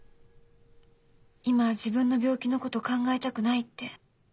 今は自分の病気のこと考えたくないって。